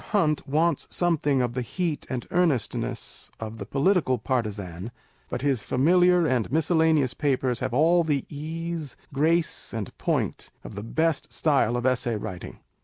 Hunt wants something of the heat and earnestness of the political partisan; but his familiar and miscellaneous papers have all the ease, grace, and point of the best style of Essay writing.